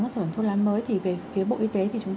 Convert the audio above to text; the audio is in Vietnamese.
các sản phẩm thuốc lá mới thì về phía bộ y tế